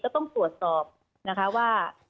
ต้องตรวจสอบนะคะว่า